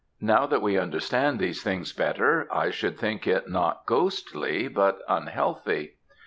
Now that we understand these things better, I should think it not ghostly, but unhealthy.